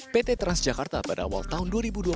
pt transjakarta pada awal tahun dua ribu dua puluh